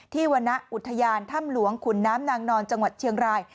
วรรณอุทยานถ้ำหลวงขุนน้ำนางนอนจังหวัดเชียงราย